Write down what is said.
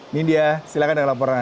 nidia silakan dengan laporan anda